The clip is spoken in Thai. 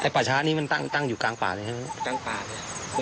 ป่าช้านี้มันตั้งอยู่กลางป่าเลยครับ